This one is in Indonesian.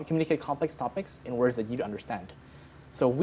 berkomunikasi dengan topik topik yang kompleks dalam kata kata yang anda pahami